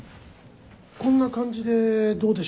こんな感じでどうでしょうか？